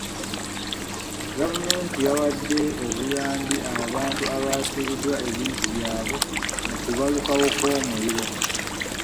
Gavumenti yawadde obuyambi abantu abaafiirwa ebintu byabwe mu kubalukawo kw'omuliro.